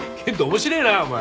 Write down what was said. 面白えなお前。